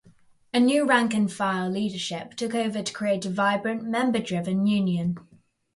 A new rank-and-file leadership took over to create a vibrant, member-driven union.